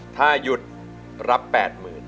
ถ้าหยุดรับ๘๐๐๐บาท